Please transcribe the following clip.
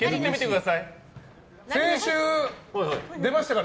先週出ましたから。